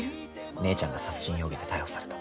姉ちゃんが殺人容疑で逮捕された。